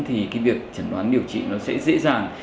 thì việc chẩn đoán điều trị sẽ dễ dàng